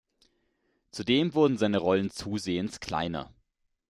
Zudem wurden seine Rollen zusehends kleiner.